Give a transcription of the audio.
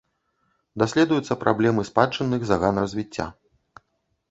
Даследуюцца праблемы спадчынных заган развіцця.